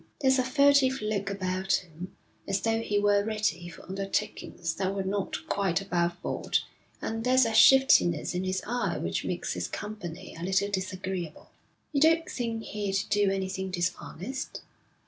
There's a furtive look about him, as though he were ready for undertakings that were not quite above board, and there's a shiftiness in his eye which makes his company a little disagreeable.' 'You don't think he'd do anything dishonest?'